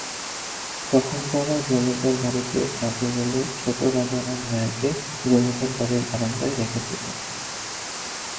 তখন তারা জমিদার বাড়িতে কাজে গেলে ছোট রাজারাম রায়কে জমিদার বাড়ির বারান্দায় রেখে যেতেন।